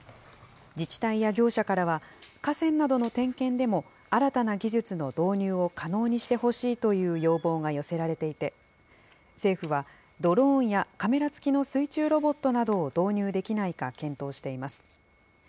自治体や業者からは、河川などの点検でも、新たな技術の導入を可能にしてほしいという要望が寄せられていて、政府は、ドローンやカメラ付きの水中ロボットなどを導入できないか検討しています。